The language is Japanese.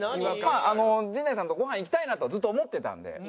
まあ陣内さんとご飯行きたいなとずっと思ってたので。